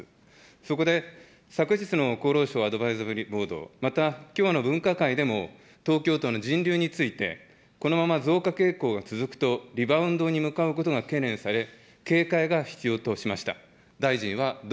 そこで昨日の厚労省アドバイザリーボード、またきょうの分科会でも、東京都の人流について、このまま増加傾向が続くとリバウンドに向かうことが懸念され、警戒が必要としました。